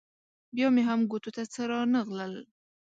بیا مې هم ګوتو ته څه رانه غلل.